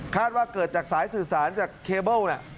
ว่าเกิดจากสายสื่อสารจากเคเบิ้ล